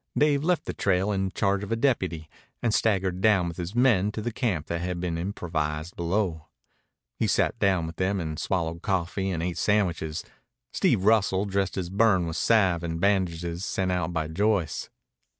Dave left the trail in charge of a deputy and staggered down with his men to the camp that had been improvised below. He sat down with them and swallowed coffee and ate sandwiches. Steve Russell dressed his burn with salve and bandages sent out by Joyce.